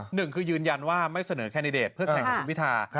หนึ่งคือยืนยันว่าไม่เสนอแคนดิเดตเพื่อแข่งของคุณพิธา